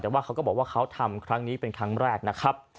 แต่ว่าเขาก็บอกว่าเขาทำครั้งนี้เป็นครั้งแรกนะครับ